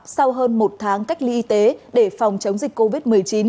sau hơn một tháng cách ly y tế để phòng chống dịch covid một mươi chín